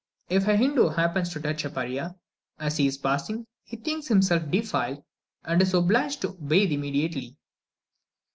If a Hindoo happens to touch a Paria as he is passing, he thinks himself defiled, and is obliged to bathe immediately.